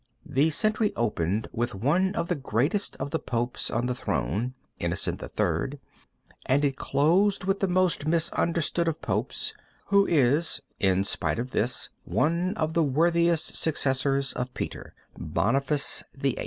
The century opened with one of the greatest of the Popes on the throne, Innocent III, and it closed with the most misunderstood of Popes, who is in spite of this one of the worthiest successors of Peter, Boniface VIII.